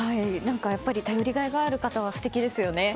やっぱり頼りがいがある方は素敵ですよね。